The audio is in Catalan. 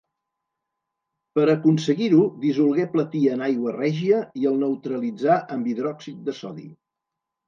Per aconseguir-ho dissolgué platí en aigua règia i el neutralitzà amb hidròxid de sodi.